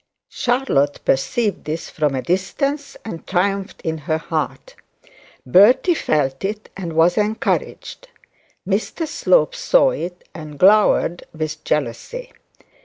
Charlotte perceived this from a distance, and triumphed in her heart; Bertie felt it, and was encouraged; Mr Slope saw it, and glowered with jealousy.